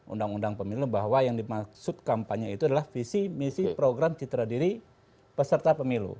undang undang pemilu bahwa yang dimaksud kampanye itu adalah visi misi program citra diri peserta pemilu